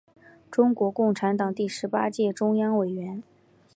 中国共产党第十八届中央委员。